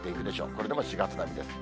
これでも４月並みです。